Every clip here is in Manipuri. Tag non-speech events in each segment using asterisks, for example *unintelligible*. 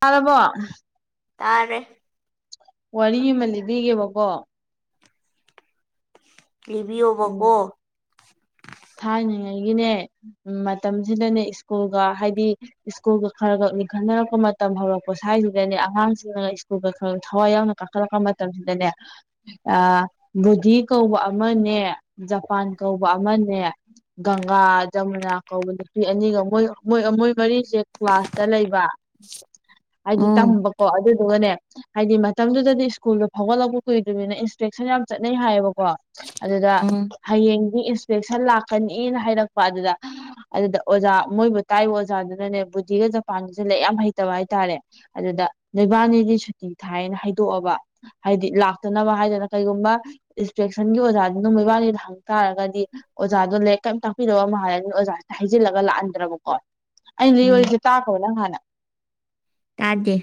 ꯇꯥꯔꯕꯣ ꯇꯥꯔꯦ ꯋꯥꯔꯤ ꯑꯃ ꯂꯤꯕꯤꯒꯦꯕꯀꯣ ꯂꯤꯕꯤꯌꯣꯕ ꯀꯣ ꯎꯝ ꯊꯥꯏꯅꯉꯩꯒꯤꯅꯦ ꯃꯇꯝꯖꯤꯗꯅꯦ ꯁ꯭ꯀꯨꯜꯒ ꯍꯥꯏꯗꯤ ꯁ꯭ꯀꯨꯜꯒ ꯈꯔ ꯈ ꯅꯤꯡꯈꯠꯅꯔꯛꯄ ꯃꯇꯝ ꯍꯧꯔꯛꯄ ꯁ꯭ꯋꯥꯏꯖꯤꯗꯅꯦ ꯑꯉꯥꯡꯁꯤꯡꯅ ꯁ꯭ꯀꯨꯜꯒ ꯈꯔ ꯊꯋꯥꯏ ꯌꯥꯎꯅ ꯀꯥꯈꯠꯂꯛꯄ ꯃꯇꯝꯁꯤꯗꯅꯦ ꯑ ꯚꯨꯙꯤ ꯀꯧꯕ ꯑꯃꯅꯦ ꯖꯄꯥꯟ ꯀꯧꯕ ꯑꯃꯅꯦ ꯒꯪꯒꯥ ꯖꯃꯨꯅꯥ ꯀꯧꯕ ꯅꯨꯄꯤ ꯑꯅꯤꯒ ꯃꯣꯏ ꯃꯣꯏ ꯃꯣꯏ ꯃꯔꯤꯁꯦ ꯀ꯭ꯂꯥꯁꯇ ꯂꯩꯕ ꯍꯥꯏꯗꯤ ꯎꯝ ꯇꯝꯕꯀꯣ ꯑꯗꯨꯗꯨꯒꯅꯦ ꯍꯥꯏꯗꯤ ꯃꯇꯝꯗꯨꯗꯗꯤ ꯁ꯭ꯀꯨꯜꯗꯣ ꯐꯥꯎꯒꯠꯂꯛꯄ ꯀꯨꯏꯗꯔꯤꯃꯤꯅ ꯏꯟꯁꯄꯦꯛꯁꯟ ꯌꯥꯝ ꯆꯠꯅꯩ ꯍꯥꯏꯌꯦꯕꯀꯣ ꯑꯗꯨꯗ ꯎꯝ ꯍꯌꯦꯡꯗꯤ ꯏꯟꯁꯄꯦꯛꯁꯟ ꯂꯥꯛꯀꯅꯤꯅ ꯍꯥꯏꯔꯛꯄ ꯑꯗꯨꯗ ꯑꯗꯨꯗ ꯑꯣꯖꯥ ꯃꯣꯏꯕꯨ ꯇꯥꯏꯕ ꯑꯣꯖꯥꯗꯨꯅꯅꯦ ꯕꯨꯙꯤꯒ ꯖꯄꯥꯟꯒꯁꯦ ꯂꯩ ꯌꯥꯝ ꯍꯩꯇꯕ ꯍꯥꯏꯇꯥꯔꯦ ꯑꯗꯨꯗ ꯅꯣꯏꯕꯥꯅꯤꯗꯤ ꯁꯨꯇꯤ ꯊꯥꯏꯌꯦꯅ ꯍꯥꯏꯗꯣꯛꯑꯕ ꯍꯥꯏꯗꯤ ꯂꯥꯛꯇꯅꯕ ꯍꯥꯏꯗꯅ ꯀꯩꯒꯨꯝꯕ ꯏꯁꯄꯦꯛꯁ ꯊꯟꯒꯤ ꯑꯣꯖꯥꯗꯨꯅ ꯃꯣꯏꯕꯥꯅꯤꯗ ꯍꯪ ꯇꯥꯔꯒꯗꯤ ꯑꯣꯖꯥꯗꯣ ꯂꯩ ꯀꯩꯝ ꯇꯥꯛꯄꯤꯗꯕ ꯃꯥꯜꯂꯅꯤ ꯑꯣꯖꯥꯁꯦ ꯍꯥꯏꯖꯤꯜꯂꯒ ꯂꯥꯛꯍꯟꯗ꯭ꯔꯕꯀꯣ ꯑꯩꯅ ꯂꯤꯔꯤ ꯎꯝ ꯋꯔꯤꯁꯦ ꯇꯥꯛꯈꯔꯕ ꯅꯪ ꯍꯥꯟꯅ ꯇꯥꯗꯦ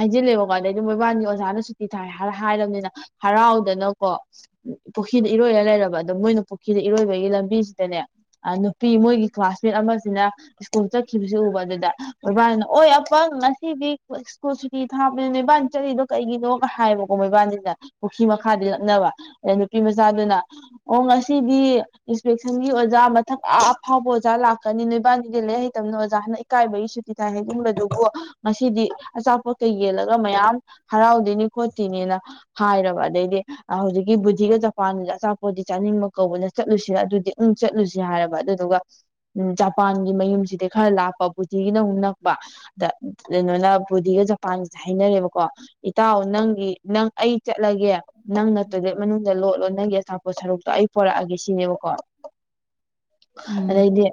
ꯍꯥꯏꯖꯤꯜꯂꯦꯕꯀꯣ ꯑꯗꯩꯗ ꯃꯣꯏꯕꯥꯅꯤ ꯑꯣꯖꯥꯅ ꯁꯨꯇꯤ ꯊꯥꯏ ꯍꯥꯏꯔ ꯍꯥꯏꯔꯝꯅꯤꯅ ꯍꯔꯥꯎꯗꯅꯀꯣ ꯄꯨꯈ꯭ꯔꯤꯗ ꯏꯔꯣꯏꯔ ꯂꯩꯔꯕ ꯑꯗꯣ ꯃꯣꯏꯅ ꯄꯨꯈꯤꯗ ꯏꯔꯣꯏꯕꯒꯤ ꯂꯝꯕꯤꯁꯤꯗꯅꯦ ꯑ ꯅꯨꯄꯤ ꯃꯣꯏꯒꯤ ꯀ꯭ꯂꯥꯁꯃꯦꯠ ꯑꯃꯁꯤꯅ ꯁ꯭ꯀꯨꯜ ꯆꯠꯈꯤꯕꯁꯤ ꯎꯕ ꯑꯗꯨꯗ ꯃꯣꯏꯕꯅꯤꯅ ꯑꯣꯏ ꯑꯄꯪ ꯉꯁꯤꯗꯤ ꯍꯣ ꯁ꯭ꯀꯨꯜ ꯁꯨꯇꯤ ꯊꯥꯄꯅꯦ ꯅꯣꯏꯕꯥꯟꯅꯤ ꯆꯠꯂꯤꯗꯣ ꯀꯩꯒꯤꯅꯣꯒ ꯍꯥꯏꯕꯀꯣ ꯃꯣꯏꯕꯥꯟꯅꯤꯅ ꯄꯨꯈ꯭ꯔꯤ ꯃꯈꯥꯗꯤ ꯂꯛꯅꯕ ꯑꯗꯩ ꯅꯨꯄꯤ ꯃꯆꯥꯗꯨꯅ ꯑꯣ ꯉꯁꯤꯗꯤ ꯏꯟꯁꯄꯦꯛꯁꯟꯒꯤ ꯑꯣꯖꯥ ꯃꯊꯛ ꯑ ꯑꯐꯥꯎꯕ ꯑꯣꯖꯥ ꯂꯥꯛꯀꯅꯤ ꯅꯣꯏꯕꯥꯟꯅꯤꯗꯤ ꯂꯩ ꯍꯩꯇꯕꯅ ꯑꯣꯖꯥ ꯍꯟꯅ ꯏꯀꯥꯏꯕꯒꯤ ꯁꯨꯇꯤ ꯇꯥꯏ ꯍꯥꯏꯖꯤꯟꯕꯗꯨꯕꯨ ꯉꯁꯤꯗꯤ ꯑꯆꯥꯄꯣꯠꯀ ꯌꯦꯜꯂꯒ ꯃꯌꯥꯝ ꯍꯔꯥꯎꯗꯣꯏꯅꯤ ꯈꯣꯠꯇꯤꯅꯤꯅ ꯍꯥꯏꯔꯕ ꯑꯗꯩꯗꯤ ꯍꯧꯖꯤꯛꯀꯤ ꯕꯨꯙꯤꯒ ꯖꯄꯥꯟꯖꯦ ꯑꯆꯥꯄꯣꯠꯇꯤ ꯆꯥꯅꯤꯡꯕ ꯀꯧꯕꯅꯦ ꯆꯠꯂꯨꯁꯤꯔ ꯑꯗꯨꯗꯤ ꯎꯝ ꯆꯠꯂꯨꯁꯤ ꯍꯥꯏꯔꯕ ꯑꯗꯨꯗꯨꯒ ꯎꯝ ꯖꯄꯥꯟꯒꯤ ꯃꯌꯨꯝꯁꯤꯗꯤ ꯈꯔ ꯂꯥꯛꯄ ꯕꯨꯙꯤꯒꯤꯅ ꯑꯃꯨꯛ ꯅꯛꯄ ꯑꯗ ꯀꯩꯅꯣꯅ ꯕꯨꯗꯤꯒ ꯖꯄꯥꯟꯒꯤꯁꯦ ꯍꯥꯏꯅꯔꯦꯕꯀꯣ ꯏꯇꯥꯎ ꯅꯪꯒꯤ ꯅꯪ ꯑꯩ ꯆꯠꯂꯒꯦ ꯅꯪꯅ ꯇꯣꯏꯂꯦꯠ ꯃꯅꯨꯡꯗ ꯂꯣꯠꯂꯣ ꯅꯪꯒꯤ ꯑꯆꯥꯥꯄꯣꯠ ꯁꯔꯨꯛꯇꯣ ꯑꯩ ꯄꯣꯔꯛꯑꯒꯦ ꯁꯤꯅꯦꯕꯀꯣ ꯎꯝ ꯑꯗꯩꯗꯤ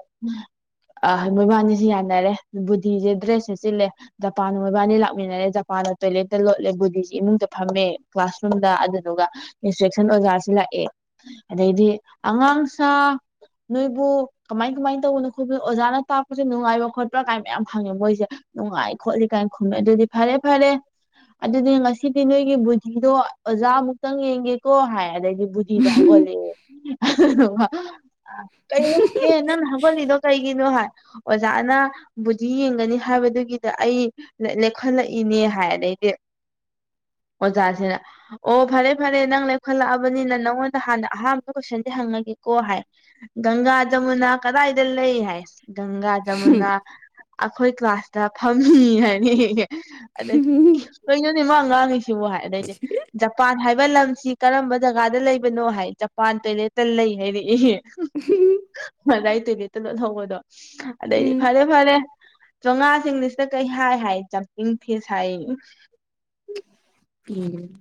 ꯑ ꯃꯣꯏꯕꯥꯅꯤꯁꯨ ꯌꯥꯅꯔꯦ ꯕꯨꯙꯤꯁꯦ ꯗ꯭ꯔꯦꯁ ꯁꯦꯠꯆꯤꯜꯂꯦ ꯖꯄꯥꯟ ꯃꯣꯏꯕꯥꯅꯤ ꯂꯥꯛꯃꯤꯟꯅꯔꯦ ꯖꯄꯥꯟꯅ ꯇꯣꯏꯂꯦꯠꯇ ꯂꯣꯠꯂꯦ ꯕꯨꯙꯖꯤ ꯏꯃꯨꯡꯗ ꯐꯝꯃꯦ ꯀ꯭ꯂꯥꯁꯔꯨꯝꯗ ꯑꯗꯨꯗꯨꯒ ꯏꯟꯁꯇ꯭ꯔꯦꯛꯁꯟ ꯑꯣꯖꯥꯁꯤ ꯂꯥꯛꯑꯦ ꯑꯗꯩꯗꯤ ꯑꯉꯥꯡ ꯁꯥ ꯅꯣꯏꯕꯨ ꯀꯃꯥꯏ ꯀꯃꯥꯏꯅ ꯇꯧꯕꯅꯣ ꯈꯣꯠꯄꯅꯣ ꯑꯣꯖꯥꯅ ꯇꯥꯛꯄꯁꯦ ꯅꯨꯡꯉꯥꯏꯕ ꯈꯣꯠꯄꯥ ꯀꯥꯏ ꯃꯌꯥꯝ ꯍꯪꯉꯦ ꯃꯣꯏꯁꯦ ꯅꯨꯡꯉꯥꯏ ꯈꯣꯠꯂꯤ ꯀꯥꯏꯅ ꯈꯨꯝꯃꯦ ꯑꯗꯨꯗꯤ ꯐꯔꯦ ꯐꯔꯦ ꯑꯗꯨꯗꯤ ꯉꯁꯤꯗꯤ ꯅꯣꯏꯒꯤ ꯕꯨꯙꯤꯗꯣ ꯑꯣꯖꯥ ꯃꯨꯛꯇꯪ ꯌꯦꯡꯒꯦꯀꯣ ꯍꯥꯏ ꯑꯗꯩꯗꯤ ꯕꯨꯙꯤꯗꯣ ꯍꯧꯒꯠꯂꯦ *unintelligible* ꯀꯩꯅꯣ ꯍꯦ ꯅꯪ ꯍꯒꯠꯂꯤꯗꯣ ꯀꯩ ꯀꯩꯒꯤꯅꯣ ꯍꯥꯏ ꯑꯣꯖꯥꯅ ꯕꯨꯙꯤ ꯌꯦꯡꯒꯅꯤ ꯍꯥꯏꯕꯗꯨꯒꯤ꯫ ꯑꯩ ꯂꯦ ꯂꯦꯞꯈꯠꯂꯛꯏꯅꯦ ꯍꯥꯏ ꯑꯗꯩꯗꯤ ꯑꯣꯖꯥꯁꯤꯅ ꯑꯣ ꯐꯔꯦ ꯐꯔꯦ ꯅꯪ ꯂꯦꯞꯈꯠꯂꯛꯑꯕꯅꯤꯅ ꯅꯪꯉꯣꯟꯗ ꯍꯥꯟꯅ ꯑꯍꯥꯟꯕ ꯀꯣꯏꯁꯟꯁꯦ ꯍꯪꯉꯒꯦꯀꯣ ꯍꯥꯏ ꯒꯪꯒ ꯖꯃꯨꯅꯥ ꯀꯗꯥꯢꯗ ꯂꯩ ꯍꯥꯏ ꯒꯪꯒꯥ ꯖꯃꯨꯅꯥ ꯑꯩꯈꯣꯏ ꯀ꯭ꯂꯥꯁꯇ ꯐꯝꯃꯤ ꯍꯥꯏꯅꯤ ꯑꯗꯩ ꯀꯩꯅꯣꯅꯦ ꯃꯅꯥꯉꯥꯡꯉꯤꯁꯤꯕꯨ ꯍꯥꯏ ꯑꯗꯩꯗꯤ ꯖꯄꯥꯟ ꯍꯥꯏꯕ ꯂꯝꯁꯤ ꯀꯔꯝꯕ ꯖꯒꯥꯗ ꯂꯩꯕꯅꯣ ꯍꯥꯏ ꯖꯄꯥꯟ ꯇꯣꯏꯂꯦꯠꯇ ꯂꯩ ꯍꯥꯏꯔꯛꯏ꯫ ꯉꯥꯁꯏ ꯇꯣꯏꯂꯦꯠꯇ ꯂꯣꯍꯧꯕꯗꯣ ꯑꯗꯩꯗꯤ ꯎꯝ ꯐꯔꯦ ꯐꯔꯦ ꯆꯣꯡꯉꯥꯁꯤ ꯢꯪꯂꯤꯁꯤꯗ ꯀꯩ ꯍꯥꯏ ꯍꯥꯏ ꯖꯝꯄꯤꯡ ꯐꯤꯁ ꯍꯥꯏ ꯎꯝ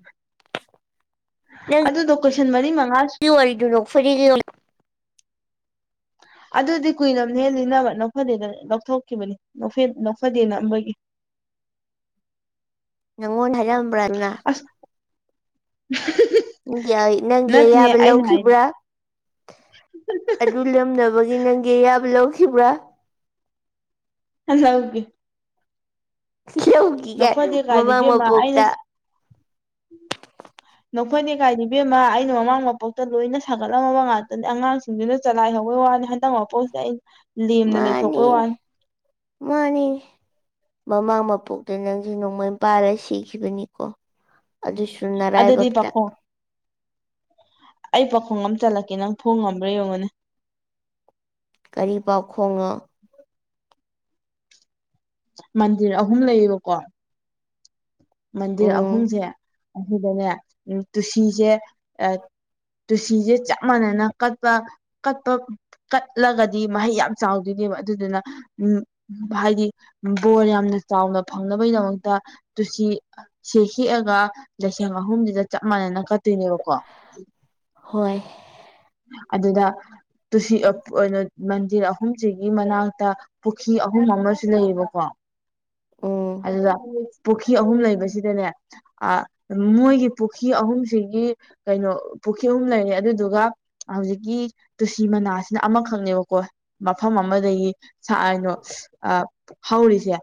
ꯅꯪ ꯑꯗꯨꯗꯣ ꯀꯣꯏꯁꯟ ꯃꯔꯤ ꯃꯉꯥ ꯋꯥꯔꯤ ꯗ ꯅꯣꯛꯐꯗꯦ *unintelligible* ꯑꯗꯨꯗꯤ ꯀꯨꯏꯔꯝ ꯅꯦ ꯂꯤꯅꯕ ꯅꯣꯛꯐꯗꯦꯗ ꯂꯧꯊꯣꯛꯈꯤꯕꯅꯤ ꯅꯣꯛꯐꯦ ꯅꯣꯛꯐꯗꯦ ꯅꯝꯕꯒꯤ ꯅꯪꯉꯣꯟ ꯍꯥꯏꯔꯝ꯫ ꯑꯁ *unintelligible* ꯌꯥꯢ ꯅꯪꯒꯤ ꯅꯠꯇꯦꯍꯦ ꯑꯌꯥꯕ ꯑꯩꯅ ꯍꯥꯏ ꯂꯧꯈꯤꯕ꯭ꯔꯥ ꯑꯗꯨ ꯂꯨꯝꯅꯕꯒꯤ ꯅꯪꯒꯤ ꯑꯌꯥꯕ ꯂꯧꯈꯤꯕ꯭ꯔꯥ *unintelligible* ꯌꯧꯈꯤꯒꯥꯏ ꯅꯣꯛꯐꯗꯦ ꯀꯥꯏꯗꯤ ꯃꯃꯥꯡ ꯏꯕꯦꯝꯃ ꯑꯩꯅ ꯃꯄꯣꯛꯇ ꯅꯣꯛꯐꯗꯦ ꯀꯥꯏ ꯕꯦꯝꯃ ꯑꯩꯅ ꯃꯃꯥꯡ ꯃꯄꯣꯛꯇ ꯂꯣꯏꯅ ꯁꯥꯒꯠꯂꯝꯃꯕ ꯉꯥꯛꯇꯅꯦ ꯑꯉꯥꯡꯁꯤꯡꯗꯨꯅ ꯆꯂꯥꯏꯍꯧꯕꯩ ꯋꯥꯅꯤ *unintelligible* ꯂꯦꯝꯅ ꯂꯩꯊꯣꯛꯄꯩ ꯋꯥꯅꯤ ꯃꯥꯅꯤ ꯃꯃꯥꯡ ꯃꯄꯣꯛꯇ ꯅꯪꯁꯦ ꯅꯣꯡꯃꯩ ꯄꯥꯜꯂ ꯁꯤꯈꯤꯕꯅꯤꯀꯣ ꯑꯗꯨꯁꯨ ꯑꯗꯨꯗꯤ ꯅꯔꯥꯏꯕꯛꯇ ꯄꯥꯈꯣꯡ ꯑꯩ ꯄꯥꯈꯣꯡ ꯑꯃ ꯆꯠꯂꯛꯀꯦ ꯅꯪ ꯐꯣꯡ ꯉꯝꯕ꯭ꯔꯥ ꯌꯦꯡꯉꯨꯅꯦ ꯀꯔꯤ ꯄꯥꯎꯈꯣꯡꯅꯣ ꯃꯟꯗꯤꯔ ꯑꯍꯨꯝ ꯂꯩꯌꯦꯕꯀꯣ ꯃꯟꯗꯤꯔ ꯎꯝ ꯑꯍꯨꯝꯁꯦ ꯑꯗꯨꯗꯅꯦ ꯇꯨꯁꯤꯁꯦ ꯇꯨꯁꯤꯁꯦ ꯆꯞ ꯃꯥꯟꯅꯅ ꯀꯠꯄ ꯀꯠꯄ ꯀꯠꯂꯒꯗꯤ ꯃꯍꯩ ꯌꯥꯝ ꯆꯥꯎꯗꯣꯏꯅꯦꯕ ꯑꯗꯨꯗꯨꯅ ꯎꯝ ꯍꯥꯏꯗꯤ ꯕꯣꯔ ꯌꯥꯝꯅ ꯆꯥꯎꯅ ꯐꯪꯅꯕꯩꯗꯃꯛꯇ ꯇꯨꯁꯤ ꯁꯤ ꯍꯦꯛꯑꯒ ꯂꯤꯁꯤꯡ ꯑꯍꯨꯝꯁꯤꯗ ꯆꯞ ꯃꯥꯟꯅꯅ ꯀꯠꯇꯣꯏꯅꯦꯕꯀꯣ ꯍꯣꯏ ꯑꯗꯨꯗ ꯇꯨꯁꯤ *unintelligible* ꯃꯟꯗꯤꯔ ꯑꯍꯨꯝꯁꯤꯒꯤ ꯃꯅꯥꯛꯇ ꯄꯨꯈ꯭ꯔꯤ ꯑꯍꯨꯝ ꯑꯃꯁꯨ ꯂꯩꯌꯦꯕꯀꯣ ꯎꯝ ꯑꯗꯨꯗ ꯄꯨꯈ꯭ꯔꯤ ꯑꯍꯨꯝ ꯂꯩ꯫ ꯃꯁꯤꯗꯅꯦ ꯑ ꯃꯣꯏꯒꯤ ꯄꯨꯈ꯭ꯔꯤ ꯑꯍꯨꯝꯁꯤꯒꯤ ꯀꯩꯅꯣ ꯄꯨꯈ꯭ꯔꯤ ꯑꯍꯨꯝ ꯂꯩꯔꯦ ꯑꯗꯨꯗꯨꯒ ꯍꯧꯖꯤꯛꯀꯤ ꯇꯨꯁꯤ ꯃꯅꯥꯁꯤꯅ ꯑꯃꯈꯛꯅꯦꯕꯀꯣ ꯃꯐꯝ ꯑꯃꯗꯒꯤ ꯁꯅꯣ ꯑ ꯍꯧꯔꯤꯁꯦ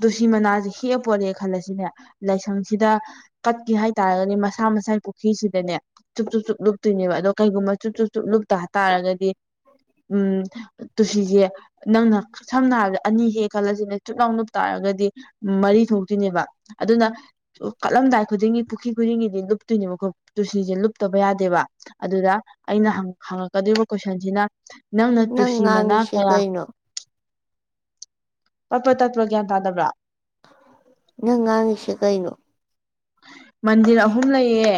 ꯇꯨꯁꯤ ꯃꯅꯥꯁꯦ ꯍꯦꯛꯑꯦ ꯄꯣꯔꯦ ꯈꯜꯂꯁꯤꯅꯦ ꯂꯥꯏꯁꯪꯁꯤꯗ ꯀꯠꯀꯦ ꯍꯥꯏꯇꯥꯔꯒꯅꯦ ꯃꯁꯥ ꯃꯁꯥꯒꯤ ꯄꯨꯈ꯭ꯔꯤꯁꯤꯗꯅꯦ ꯆꯨꯞ ꯆꯨꯞ ꯆꯨꯞ ꯂꯨꯞꯇꯨꯏꯅꯦꯕ ꯑꯗꯣ ꯀꯩꯒꯨꯝꯕ ꯆꯨꯞ ꯆꯨꯞ ꯆꯨꯞ ꯂꯨꯞ ꯇ ꯇꯥꯔꯒꯗꯤ ꯎꯝ ꯇꯨꯁꯤ ꯖꯦ ꯅꯪꯅ ꯁꯝꯅ ꯍꯥꯏꯔꯕꯗ ꯑꯅꯤ ꯍꯦꯛ ꯈꯜꯂꯁꯤꯅꯦ ꯆꯨꯞꯂꯥꯎ ꯂꯨꯞ ꯇꯥꯔꯒꯗꯤ ꯃꯔꯤ ꯊꯣꯛꯇꯨꯏꯅꯦꯕ ꯑꯗꯨꯅ ꯀꯠꯂꯝꯗꯥꯏ ꯈꯨꯗꯤꯡꯒꯤ ꯄꯨꯈ꯭ꯔꯤ ꯈꯨꯗꯤꯡꯒꯤꯗꯤ ꯂꯨꯞꯇꯨꯏꯅꯦꯕꯀꯣ ꯇꯨꯜꯁꯤꯁꯦ ꯂꯨꯞꯇꯕ ꯌꯥꯗꯦꯕ ꯑꯗꯨꯗ ꯑꯩꯅ ꯍꯪꯉꯛꯀꯗꯣꯏꯕ ꯀꯣꯏꯁꯟꯁꯤꯅ ꯅꯪꯅ ꯅꯪ ꯇꯨꯁꯤ ꯃꯅꯥ ꯉꯥꯡꯉꯤꯁꯦ ꯀꯌꯥ ꯀꯩꯅꯣ ꯄꯠ ꯄꯠ ꯇꯠꯄꯔ ꯒ꯭ꯌꯥꯟ ꯇꯥꯗꯕ꯭ꯔꯥ ꯅꯪ ꯉꯥꯡꯉꯤꯁꯦ ꯀꯩꯅꯣ ꯃꯟꯗꯤꯔ ꯑꯍꯨꯝ ꯂꯩꯌꯦ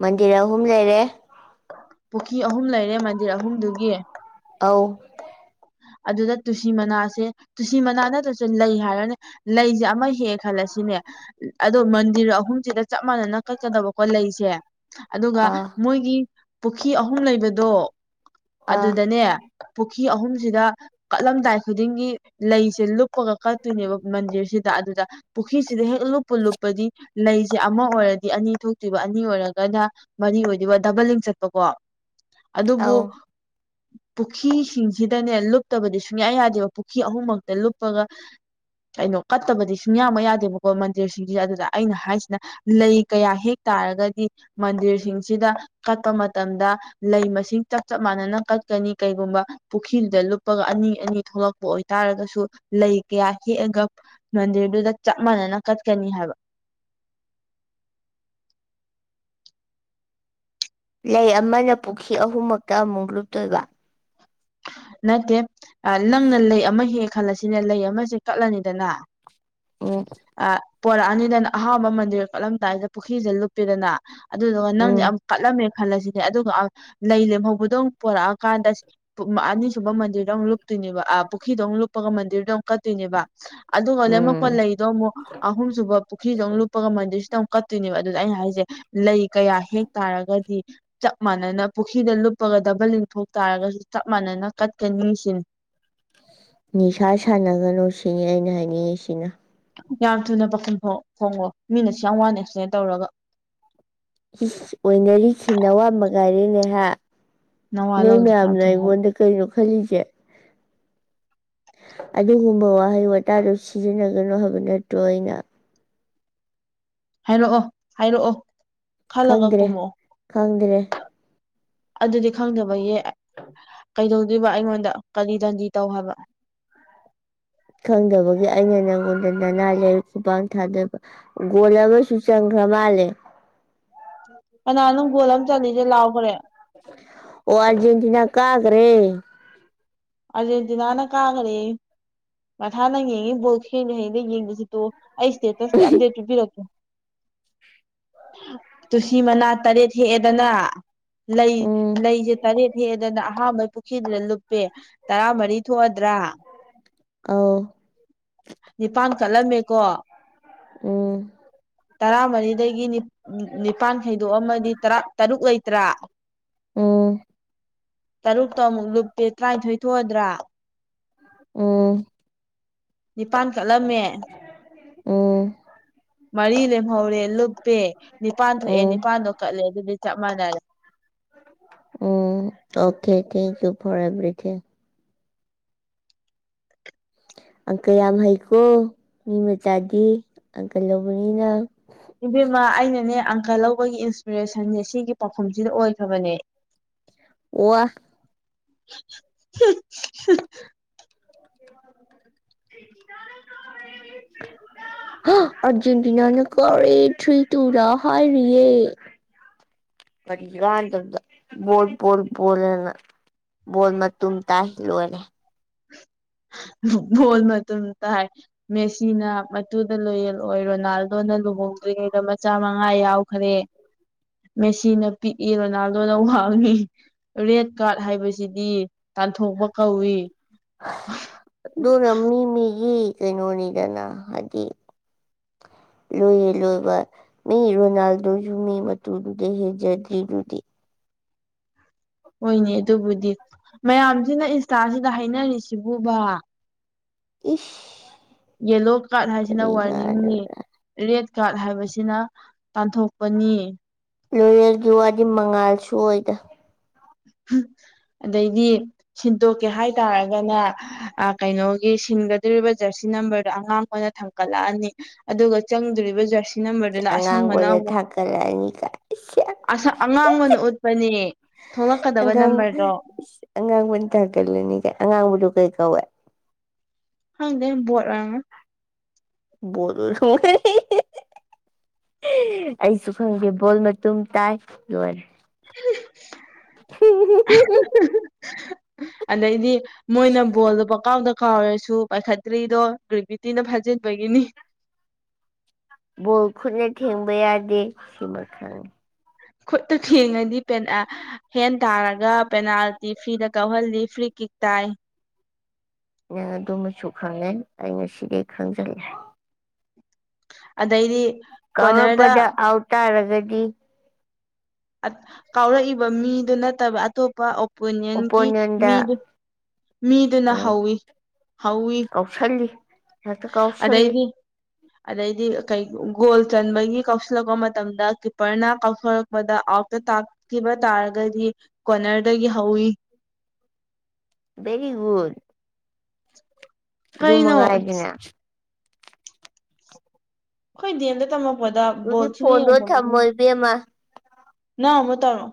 ꯃꯟꯗꯤꯔ ꯑꯍꯨꯝ ꯂꯩꯔꯦ ꯄꯨꯈꯤ ꯑꯍꯨꯝ ꯂꯩꯔꯦ ꯃꯟꯗꯤꯔ ꯑꯍꯨꯝꯗꯨꯒꯤ ꯑꯥꯎ ꯑꯗꯨꯗ ꯇꯨꯁꯤ ꯃꯅꯥꯁꯦ ꯇꯨꯁꯤ ꯃꯅꯥ ꯅꯠꯇ꯭ꯔꯁꯨ ꯂꯩ ꯍꯥꯏꯔꯅꯦ ꯂꯩꯁꯦ ꯑꯃ ꯍꯦꯑꯦ ꯈꯜꯂꯁꯤꯅꯦ ꯑꯗꯣ ꯃꯟꯗꯤꯔ ꯑꯍꯨꯝꯁꯤꯗ ꯆꯞ ꯃꯥꯟꯅꯅ ꯀꯠꯀꯗꯕꯀꯣ ꯂꯩꯁꯦ ꯑꯗꯨꯒ ꯑꯥ ꯃꯣꯏꯒꯤ ꯄꯨꯈꯤ ꯑꯍꯨꯝ ꯂꯩꯕꯗꯣ ꯑꯥ ꯑꯗꯨꯗꯅꯦ ꯄꯨꯈꯤ ꯑꯍꯨꯝ ꯁꯤꯗ ꯀꯠꯂꯝꯗꯥꯏ ꯈꯨꯗꯤꯡꯒꯤ ꯂꯩꯁꯦ ꯂꯨꯞꯄꯒ ꯀꯠꯇꯣꯏꯅꯦꯕ ꯃꯟꯗꯤꯔꯁꯤꯗ ꯑꯗꯨꯗ ꯄꯨꯈꯤꯁꯤꯗ ꯍꯦꯛ ꯂꯨꯞꯄꯨ ꯂꯨꯞꯄꯗꯤ ꯂꯩꯁꯦ ꯑꯃ ꯑꯣꯏꯔꯗꯤ ꯑꯅꯤ ꯊꯣꯛꯇꯨꯢꯕ ꯑꯅꯤ ꯑꯣꯏꯔꯒꯅ ꯃꯔꯤ ꯑꯣꯏꯕ ꯗꯕꯜ ꯂꯤꯡ ꯆꯠꯄꯀꯣ ꯑꯗꯨꯕꯨ ꯑꯧ ꯄꯨꯈꯤꯁꯤꯡꯁ ꯁꯤꯗꯅꯦ ꯂꯨꯞꯇꯕꯗꯤ ꯁꯨꯡꯌꯥ ꯌꯥꯗꯦꯕ ꯄꯨꯈꯤ ꯑꯍꯨꯝꯃꯛꯇ ꯂꯨꯞꯄꯒ ꯀꯩꯅꯣ ꯀꯠꯇꯕꯗꯤ ꯁꯨꯡꯌꯥꯃꯛ ꯌꯥꯗꯦꯕꯀꯣ ꯃꯟꯗꯤꯔꯁꯤꯡꯁꯤꯗ ꯑꯗꯨꯗ ꯑꯩꯅ ꯍꯥꯏꯁꯤꯅ ꯂꯩ ꯀꯌꯥ ꯍꯦꯛ ꯇꯥꯔꯒꯗꯤ ꯃꯟꯗꯤꯔꯁꯤꯡꯁꯤꯗ ꯀꯠꯄ ꯃꯇꯝꯗ ꯂꯩ ꯃꯁꯤꯡ ꯆꯞ ꯆꯞ ꯃꯥꯟꯅꯅ ꯀꯠꯀꯅꯤ ꯀꯩꯒꯨꯝꯕ ꯄꯨꯈꯤꯗꯨꯗ ꯂꯨꯞꯄꯒ ꯑꯅꯤ ꯑꯅꯤ ꯊꯣꯛꯂꯛꯄ ꯑꯣꯏꯇꯥꯔꯒꯁꯨ ꯂꯩ ꯀꯌꯥ ꯍꯦꯛꯑꯒ ꯃꯟꯗꯤꯔꯗꯨꯗ ꯆꯞ ꯃꯥꯟꯅꯅ ꯀꯠꯀꯅꯤ ꯍꯥꯏꯕ ꯂꯩ ꯑꯃꯅ ꯄꯨꯈꯤ ꯑꯍꯨꯝꯃꯛꯇ ꯑꯃꯨꯛ ꯂꯨꯞꯇꯣꯏꯕ ꯅꯠꯇꯦ ꯑ ꯅꯪꯅ ꯂꯩ ꯑꯃ ꯍꯦꯛꯑꯦ ꯈꯜꯂꯁꯤꯅꯦ ꯂꯩ ꯑꯃꯁꯦ ꯀꯠꯂꯅꯤꯗꯅ ꯑꯣꯝ ꯑ ꯄꯣꯔꯛꯑꯅꯤꯗꯅ ꯑꯍꯥꯟꯕ ꯃꯟꯗꯤꯔ ꯀꯠꯂꯝꯗꯥꯏꯗ ꯄꯨꯈꯤꯁꯤꯗ ꯂꯨꯞꯄꯦꯗꯅ ꯑꯗꯨꯗꯨꯒ ꯅꯪꯗꯤ ꯎꯝ ꯑꯃꯨꯛ ꯀꯠꯂꯝꯃꯦ ꯈꯜꯂꯁꯤꯅꯦ ꯑꯗꯨꯒ ꯑ ꯂꯩ ꯂꯦꯝꯍꯧꯕꯗꯧ ꯄꯣꯔꯛꯑꯀꯥꯟꯗ ꯄꯨ ꯑꯅꯤꯁꯨꯨꯝꯕ ꯃꯟꯗꯤꯔꯗ ꯑꯃꯨꯛ ꯂꯨꯞꯇꯣꯏꯅꯦꯕ ꯑ ꯄꯨꯈꯤꯗ ꯑꯃꯨꯛ ꯂꯨꯞꯄꯒ ꯃꯟꯗꯤꯔꯗ ꯑꯃꯨꯛ ꯀꯠꯇꯣꯏꯅꯦꯕ *unintelligible* ꯎꯝ ꯄꯂꯩꯗꯣ ꯑꯃꯨꯛ ꯑꯍꯨꯝꯁꯨꯕ ꯄꯨꯈꯤꯗꯣ ꯑꯃꯛ ꯂꯨꯞꯄꯒ ꯃꯟꯔꯁꯤꯗ ꯑꯃꯨ ꯀꯠꯇꯣꯏꯅꯦꯕ ꯑꯗꯨꯗꯗ ꯑꯩꯅ ꯍꯥꯏꯁꯦ ꯂꯩ ꯀꯌꯥ ꯍꯦꯛ ꯇꯥꯔꯒꯗꯤ ꯆꯞ ꯃꯥꯟꯅꯅ ꯄꯨꯈꯤꯗ ꯂꯨꯞꯄꯒ ꯗꯕꯜꯂꯤꯡ ꯊꯣꯛ ꯇꯥꯔꯒꯁꯨ ꯆꯞ ꯃꯥꯟꯅꯅ ꯀꯠꯀꯅꯤ ꯁꯤꯅꯤ ꯅꯤꯁꯥ ꯁꯥꯟꯅꯒꯅꯨ ꯁꯤꯅꯤ ꯑꯩꯅ ꯍꯥꯏꯅꯤꯡꯉꯤꯁꯤꯅ ꯌꯥꯝ ꯊꯨꯅ ꯄꯥꯈꯨꯝ ꯐꯣꯡ ꯐꯣꯡꯉꯣ ꯃꯤꯅ ꯑꯁꯨꯌꯥꯝ ꯋꯥꯅ ꯑꯦꯛꯁꯄꯦꯟ ꯇꯧꯔꯒ ꯏꯁ ꯑꯣꯏꯅꯔꯤꯁꯤ ꯅꯋꯥꯃꯉꯥꯏꯔꯦꯅꯦ ꯍꯥ ꯅꯋꯥ ꯅꯣꯏ ꯂꯧꯗꯦ ꯌꯥꯝ ꯃꯌꯥꯝꯅ ꯊꯨꯅ ꯑꯩꯉꯣꯟꯗ ꯀꯩꯅꯣ ꯈꯜꯂꯤꯁꯦ ꯑꯗꯨꯒꯨꯝꯕ ꯋꯥꯍꯩ ꯋꯥꯇꯥꯗꯨ ꯁꯤꯖꯤꯟꯅꯒꯅꯨ ꯍꯥꯏꯕ ꯅꯠꯇ꯭ꯔꯣ ꯑꯩꯅ ꯍꯥꯏꯔꯛꯑꯣ ꯍꯥꯏꯔꯛꯑꯣ ꯈꯜꯂꯒ ꯈꯪꯗ꯭ꯔꯦ ꯄꯨꯝꯃꯛꯑꯣ ꯈꯪꯗ꯭ꯔꯦ ꯑꯗꯨꯗꯤ ꯈꯪꯗꯕꯌꯦ *inaudible* ꯀꯩꯗꯧꯗꯣꯏꯕ ꯑꯩꯉꯣꯟꯗ ꯀꯔꯤ ꯗꯟꯗꯤ ꯇꯧ ꯍꯥꯏꯕ ꯈꯪꯗꯕꯒꯤ ꯑꯩꯅ ꯅꯪꯉꯣꯟꯗ ꯅꯅꯥ ꯂꯩꯔ ꯈꯨꯄꯥꯡ ꯊꯥꯗꯣꯏꯕ ꯒꯣꯜ ꯑꯃꯁꯨ ꯆꯟꯒ꯭ꯔ ꯃꯥꯜꯂꯦ ꯀꯅꯥꯅꯣ ꯒꯣꯜ ꯑꯃ ꯆꯠꯂꯤꯁꯦ ꯂꯥꯎꯒ꯭ꯔꯦ ꯑꯣ ꯑꯔꯖꯦꯟꯇꯤꯅꯥ ꯀꯥꯒ꯭ꯔꯦ ꯑꯥꯔꯖꯦꯟꯇꯤꯅꯥꯅ ꯀꯥꯒꯔꯦꯌꯦ ꯃꯊꯥꯅ ꯌꯦꯡꯉꯤ ꯕꯣꯜ ꯊꯦꯡꯅ ꯍꯌꯦꯡ ꯌꯦꯡꯗꯖꯨ ꯇꯣꯛ ꯑꯣ ꯑꯩ ꯏꯁꯇꯦꯇꯁ ꯇ ꯑꯞꯗꯦꯠ ꯄꯤꯕꯤꯔꯛꯀꯦ ꯇꯨꯁꯤ ꯃꯅꯥ ꯇꯔꯦꯠ ꯍꯦꯛꯑꯦꯗꯅ ꯂꯩ ꯎꯝ ꯂꯩꯁꯦ ꯇꯔꯦꯠ ꯍꯦꯛꯑꯦꯗꯅ ꯑꯍꯥꯥꯟꯕꯩ ꯄꯨꯈꯤꯗꯨꯅ ꯂꯨꯞꯄꯦ ꯇꯔꯥ ꯃꯔꯤ ꯊꯣꯛꯑꯗ꯭ꯔꯥ ꯑꯧ ꯅꯤꯄꯥꯟ ꯀꯠꯂꯝꯃꯦꯀꯣ ꯎꯝ ꯇꯔꯥꯃꯔꯤꯗꯒꯤꯅꯤ ꯎ ꯅꯤꯄꯥꯟ ꯈꯥꯎꯗꯣꯛꯑꯝꯃꯗꯤ ꯇꯔꯥ ꯇꯔꯨꯛ ꯂꯩꯇ꯭ꯔꯥ ꯎꯝ ꯇꯔꯨꯛꯇꯣ ꯑꯃꯨꯛ ꯂꯨꯞꯇꯦ ꯇ꯭ꯔꯥꯟꯊꯣꯏ ꯊꯣꯛꯑꯗ꯭ꯔꯥ ꯎꯝ ꯅꯤꯄꯥꯟ ꯀꯠꯂꯝꯃꯦ ꯎꯝ ꯃꯔꯤ ꯂꯦꯝꯍꯧꯔꯦ ꯂꯨꯞꯄꯦ ꯅꯤꯄꯥꯟ ꯊꯣꯛꯑꯦ ꯎꯝ ꯅꯤꯄꯥꯟꯗꯣ ꯀꯠꯂꯦ ꯑꯗꯨꯗꯤ ꯆꯞ ꯃꯥꯟꯅꯔꯦ um okay thank you for everything ꯑꯪꯀ ꯌꯥꯝ ꯍꯩꯀꯣ ꯃꯤ ꯃꯆꯥꯗꯤ ꯑꯪꯀ ꯂꯧꯕꯅꯤꯅ ꯏꯕꯦꯝꯃ ꯑꯩꯅꯅꯦ ꯑꯪꯀ ꯂꯧꯕꯒꯤ ꯏꯟꯁꯄꯤꯔꯦꯁꯟꯁꯦ ꯁꯤꯒꯤ ꯄꯥꯎꯈꯨꯝꯁꯤꯗ ꯑꯣꯏꯈ꯭ꯔꯕꯅꯦ *inaudible* ꯑꯣꯋꯥ *unintelligible* *unintelligible* *unintelligible* *inaudible* ꯍ ꯑ꯭ꯔꯖꯦꯟꯇꯤꯅꯥꯅ ꯀꯥꯔꯦ ꯊ꯭ꯔꯤ ꯇꯨꯗ ꯍꯥꯏꯔꯤꯌꯦ ꯀꯔꯤ ꯀꯥꯟꯗꯕꯗ ꯕꯣꯜ ꯕꯣꯜ ꯕꯣꯜ ꯑꯅ ꯕꯣꯜ ꯃꯇꯨꯝ ꯇꯥꯏ ꯂꯣꯏꯔꯦ ꯕꯣꯜ ꯃꯇꯨꯝ ꯇꯥꯏ ꯃꯦꯁꯤꯅ ꯃꯇꯨꯗ ꯂꯣꯌꯦꯜ ꯑꯣꯏ ꯔꯣꯅꯥꯜꯗꯣꯅ ꯂꯨꯍꯣꯡꯗ꯭ꯔꯤꯉꯩꯗ ꯃꯆꯥ ꯃꯉꯥ ꯌꯥꯎ ꯈꯔꯦ ꯃꯦꯁꯤꯅ ꯄꯤꯛꯏ ꯔꯣꯅꯥꯜꯗꯣꯅ ꯋꯥꯡꯉꯤ ꯔꯦꯠ ꯀꯥꯔꯠ ꯍꯥꯏꯕꯁꯤꯗꯤ ꯇꯥꯟꯊꯣꯛꯄ ꯀꯧꯏ ꯑꯗꯨꯅ ꯃꯤ ꯃꯤꯒꯤ ꯀꯩꯅꯣꯅꯤꯗꯅ ꯍꯥꯏꯗꯤ ꯂꯣꯏꯌꯦꯜ ꯂꯣꯏꯕ ꯃꯤ ꯔꯣꯅꯥꯜꯗꯣꯖꯨ ꯃꯤ ꯃꯇꯨꯗꯨꯗꯩ ꯍꯦꯟꯖꯗ꯭ꯔꯤꯗꯨꯗꯤ ꯍꯣꯏꯅꯦ ꯑꯗꯨꯕꯨꯗꯤ ꯃꯌꯥꯝꯁꯤꯅ ꯏꯟꯁꯇꯥꯁꯤꯗ ꯍꯥꯏꯅꯔꯤꯁꯤꯕꯨꯕꯥ ꯏꯁ ꯌꯦꯂꯣ ꯀꯥꯠ ꯍꯥꯏꯁꯤꯅ ꯀꯔꯤ ꯋꯥꯔꯅꯤꯡꯅꯤ ꯀꯥꯟꯅꯕꯗ ꯔꯦꯠ ꯀꯥꯠ ꯍꯥꯏꯕꯁꯤꯅ ꯇꯥꯟꯊꯣꯛꯄꯅꯤ ꯂꯣꯌꯦꯜꯒꯤ ꯋꯥꯗꯤ ꯃꯉꯥꯜꯁꯨ ꯑꯣꯏꯗ ꯑꯗꯩꯗꯤ ꯁꯤꯟꯗꯣꯛꯀꯦ ꯍꯥꯏꯇꯥꯔꯒꯅ ꯑ ꯀꯩꯅꯣꯒꯤ ꯁꯤꯟꯒꯗꯣꯔꯤꯕ ꯖ꯭ꯔꯁꯤ ꯅꯝꯕ꯭ꯔꯗꯣ ꯑꯉꯥꯡꯕꯅ ꯊꯥꯡꯀꯠꯂꯛꯑꯅꯤ ꯑꯗꯨꯒ ꯆꯪꯗꯣꯔꯤꯕ ꯖ꯭ꯔꯁꯤ ꯖ꯭ꯔꯁꯤ ꯅꯝꯕ꯭ꯔꯗꯨꯅ ꯑꯁꯪꯕꯅ ꯑꯉꯥꯡꯕꯗ ꯑꯃꯨꯛ ꯊꯥꯡꯀꯠꯂꯛꯑꯅꯤ ꯀꯥꯏ ꯑꯁꯪ ꯑꯉꯥꯡꯕꯅ ꯎꯠꯄꯅꯦ ꯊꯣꯛꯂꯛꯀꯗꯕ ꯑꯉꯥꯡ ꯅꯝꯕ꯭ꯔꯗꯣ ꯑꯉꯥꯡꯕꯅ ꯊꯥꯡꯒꯠꯂꯅꯤ ꯀꯥꯏ ꯑꯉꯥꯡꯕꯗꯨ ꯀꯩ ꯀꯧꯋꯤ ꯈꯪꯗꯦ ꯕꯣꯠ ꯑꯣꯏꯔꯝꯒꯅꯤ ꯕꯣꯠ ꯑꯣꯏꯔꯝꯒꯅꯤ ꯑꯩꯁꯨ ꯈꯪꯗꯦ ꯕꯣꯜ ꯃꯇꯨꯝ ꯇꯥꯏ ꯂꯣꯏꯔꯦ *inaudible* ꯑꯗꯩꯗꯤ ꯃꯣꯏꯅ ꯕꯣꯜꯗꯣ ꯀꯥꯎꯗ ꯀꯥꯎꯔꯁꯨ ꯄꯥꯏꯈꯠꯇ꯭ꯔꯤꯗꯣ ꯒꯦꯚ꯭ꯔꯤꯇꯤꯅ ꯐꯥꯖꯤꯟꯕꯒꯤꯅꯤ ꯕꯣꯜ ꯈꯨꯠꯅ ꯊꯦꯡꯕ ꯌꯥꯗꯤ ꯁꯤꯃ ꯈꯪꯉꯤ ꯈꯨꯠꯇ ꯊꯦꯡꯉꯗꯤ ꯄꯦꯟꯑ ꯍꯦꯟ ꯇꯥꯔꯒ ꯄꯦꯅꯥꯜꯇꯤ ꯐ꯭ꯔꯤꯗ ꯀꯧꯍꯜꯂꯤ ꯐ꯭ꯔꯤ ꯀꯤꯛ ꯇꯥꯏ ꯅꯪ ꯑꯗꯨꯃꯁꯨ ꯈꯪꯉꯦ ꯑꯩ ꯉꯁꯤꯗꯩ ꯈꯪꯖꯜꯂꯦ ꯑꯗꯩꯗꯤ ꯀꯣꯅꯔꯗ ꯀꯥꯎꯔꯛꯄꯗ ꯑꯥꯎ ꯇꯥꯔꯒꯗꯤ ꯀꯥꯎꯔꯛꯏꯕ ꯃꯤꯗꯨ ꯅꯠꯇꯕ ꯑꯇꯣꯞꯄ ꯄꯨꯅꯤꯌꯟꯒꯤ ꯑꯣꯄꯣꯅꯦꯟꯗ ꯃꯤꯗꯨ ꯃꯤꯗꯨꯅ ꯍꯧꯋꯤ ꯍꯧꯋꯤ ꯍꯜꯂꯤ ꯑꯗꯩꯗꯤ ꯑꯗꯩꯗꯤ ꯀ ꯒꯣꯜ ꯆꯟꯕꯒꯤ ꯀꯥꯎꯁꯤꯜꯂꯛꯄ ꯃꯇꯝꯗ ꯀꯤꯞꯄꯔꯅ ꯀꯥꯎꯛꯄ ꯃꯗ ꯑꯥꯎꯠꯇ ꯇꯥꯛꯈꯤꯕ ꯇꯥꯔꯒꯗꯤ ꯀꯣꯔꯅꯔꯗꯒꯤ ꯍꯧꯋꯤ ꯕꯦꯔꯤꯒꯟ ꯀꯩꯅꯣ ꯨꯃꯒ ꯍꯥꯏꯒꯅꯦ ꯑꯩꯈꯣꯏ ꯑꯩꯈꯣꯏ ꯗꯗꯤꯦꯝꯗ ꯇꯝꯃꯛꯄꯗ ꯕꯣꯜ ꯊꯅ ꯌꯦꯡꯉꯝꯃꯤꯅ ꯃ ꯅ ꯃ ꯇꯔ